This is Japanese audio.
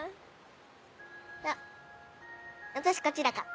じゃ私こっちだから。